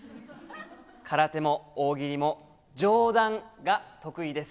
空手も大喜利も、じょうだんが得意です。